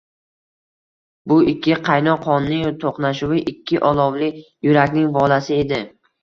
Bu ikki qaynoq qonning toʻqnashuvi, ikki olovli yurakning volasi edi